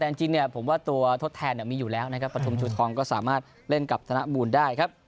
แต่จริงเนี่ยผมว่าตัวทดแทนมีอยู่แล้วนะครับประทุมชูทองก็สามารถเล่นกับธนบูลได้ครับ